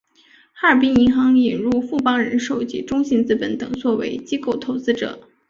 哈尔滨银行引入富邦人寿及中信资本等作为机构投资者。